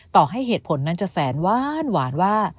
ต่อให้เหตุผลนั้นจะแสนหวานว่า